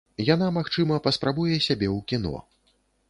Яна, магчыма, паспрабуе сябе ў кіно.